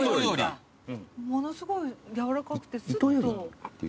ものすごい軟らかくてすっと。